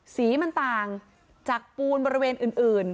สีมันต่างจากปูนบริเวณอื่น